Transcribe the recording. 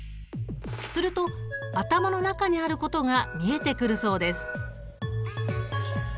すると頭の中にあることが見えてくるそうです。